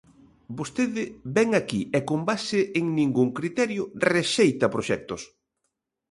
Vostede vén aquí e con base en ningún criterio rexeita proxectos.